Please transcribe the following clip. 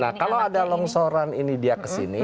nah kalau ada longsoran ini dia ke sini